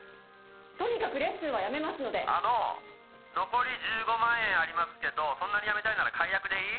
とにかくレッスンはやめますので☎あの残り１５万円ありますけどそんなにやめたいなら☎解約でいい？